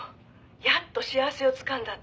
やっと幸せをつかんだって